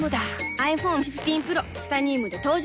ｉＰｈｏｎｅ１５Ｐｒｏ チタニウムで登場